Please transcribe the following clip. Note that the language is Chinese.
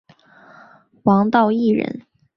王道义人。